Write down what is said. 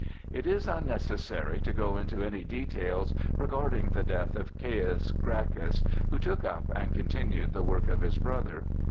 It is unnecessary to go into any details regarding the death of Caius Gracchus, who took up and continued the work of his brother.